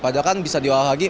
padahal kan bisa diolah lagi